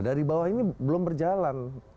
dari bawah ini belum berjalan